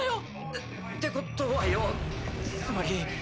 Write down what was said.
⁉えっってことはよつまり。